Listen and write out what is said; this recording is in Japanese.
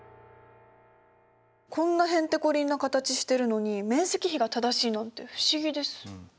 こんなへんてこりんな形してるのに面積比が正しいなんて不思議です。